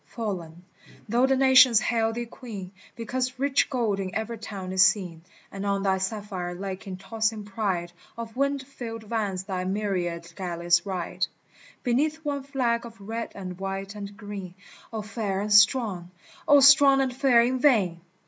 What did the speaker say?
fallen, though the nations hail thee Queen Because rich gold in every town is seen, And on thy sapphire lake in tossing pride Of wind filled vans thy myriad galleys ride Beneath one flag of red and white and green. O Fair and Strong ! O Strong and Fair in vain